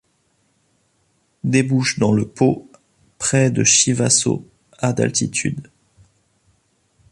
Débouche dans le Pô près de Chivasso à d’altitude.